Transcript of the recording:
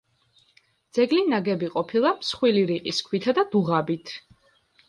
ძეგლი ნაგები ყოფილა მსხვილი რიყის ქვითა და დუღაბით.